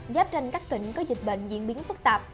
giáp tranh các tỉnh có dịch bệnh diễn biến phức tạp